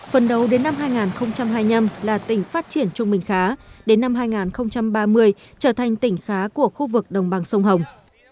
phần đầu đến năm hai nghìn hai mươi năm là tỉnh phát triển trung bình khá đến năm hai nghìn ba mươi trở thành tỉnh khá của khu vực đồng bằng sông hồng